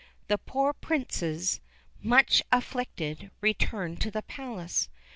The poor Princess, much afflicted, returned to the palace.